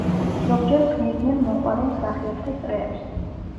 ზოგჯერ ქმნიდნენ მოყვარულ მსახიობთა წრეებს.